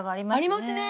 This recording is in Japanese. ありますね。